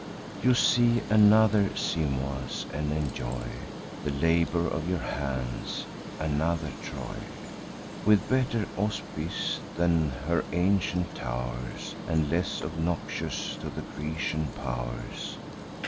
You see another Simois, and enjoy The labour of your hands, another Troy, With better auspice than her ancient tow'rs, And less obnoxious to the Grecian pow'rs.